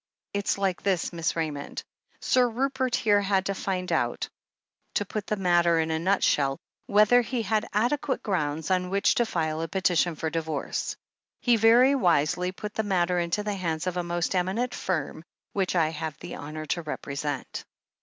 "It's like this. Miss Raymond. Sir Rupert here had to find out — ^to put the matter in a 304 THE HEEL OF ACHILLES nutshell — ^whether he had adequate grounds on which to file a petition for a divorce. He very wisely put the matter into the hands of a most eminent firm, which I have the honour to represent."